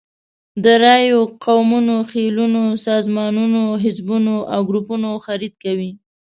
د رایو، قومونو، خېلونو، سازمانونو، حزبونو او ګروپونو خرید کوي.